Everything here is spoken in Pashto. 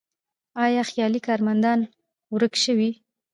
آیا خیالي کارمندان ورک شوي؟